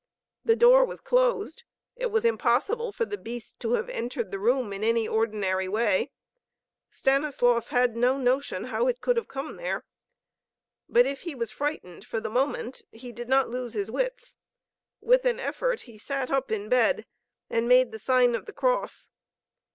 The door was closed. It was impossible for the beast to have entered the room in any ordinary way. Stanislaus had no notion how it could have come there. But if he was frightened for the moment, he did not lose his wits. With an effort, he sat up in bed and made the sign of the cross.